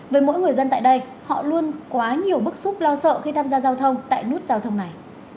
với mỗi người dân tại đây họ luôn quá nhiều bức xúc lo sợ khi tham gia giao thông tại nút giao thông này